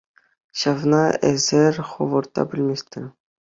Ҫавна эсӗр хӑвӑр та пӗлместӗр!